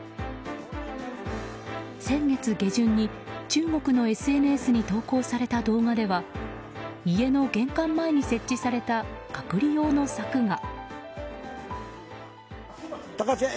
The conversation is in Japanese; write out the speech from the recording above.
先月下旬に中国のＳＮＳに投稿された動画では家の玄関前に設置された隔離用の柵が。